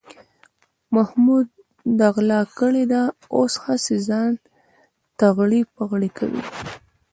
محمود غلا کړې ده، اوس هسې ځان تغړې پغړې کوي.